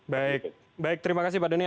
baik baik terima kasih pak daniel